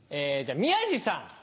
宮治さん。